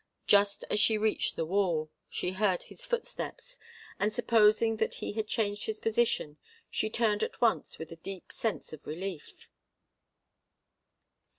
Just as she reached the wall, she heard his footstep, and supposing that he had changed his position, she turned at once with a deep sense of relief.